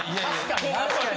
確かにな。